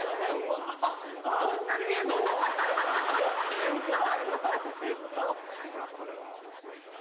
すごいわこれは。